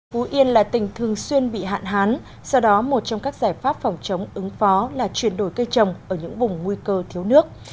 phú yên là tỉnh thường xuyên bị hạn hán sau đó một trong các giải pháp phòng chống ứng phó là chuyển đổi cây trồng ở những vùng nguy cơ thiếu nước